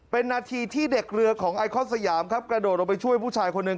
เป็นนาทีที่เด็กเรือของไอคอนสยามครับกระโดดลงไปช่วยผู้ชายคนหนึ่ง